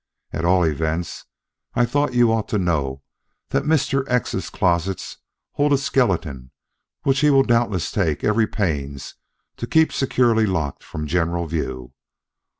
At all events, I thought you ought to know that Mr. X's closet holds a skeleton which he will doubtless take every pains to keep securely locked from general view.